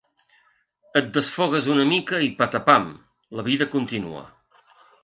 Et desfogues una mica i patapam, la vida continua.